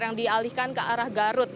yang dialihkan ke arah garut